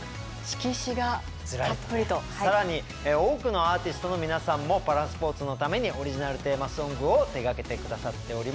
更に多くのアーティストの皆さんもパラスポーツのためにオリジナルテーマソングを手がけて下さっております。